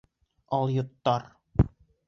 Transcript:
Алйоттар!..